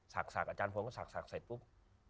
ศักดิ์ศักดิ์อาจารย์พลก็ศักดิ์ศักดิ์เสร็จปุ๊บ